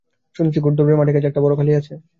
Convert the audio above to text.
শুনেছি, ঘোড়দৌড়ের মাঠের কাছে একটা বাড়ি খালি আছে।